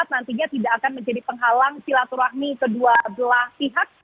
nantinya tidak akan menjadi penghalang silaturahmi kedua belah pihak